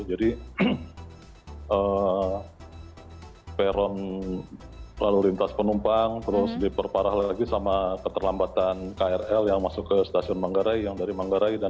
jadi peron lalu lintas penumpang terus diperparah lagi sama keterlambatan krl yang masuk ke stasiun manggarai yang dari bekasi sama dari bogor